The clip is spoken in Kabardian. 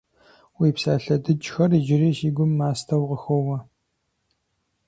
Уи псалъэ дыджхэр иджыри си гум мастэу къыхоуэ.